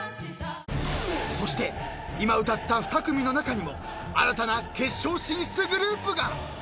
［そして今歌った２組の中にも新たな決勝進出グループが！］